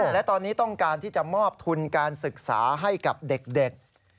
และตอนนี้ต้องการที่จะมอบทุนการศึกษาให้กับเด็ก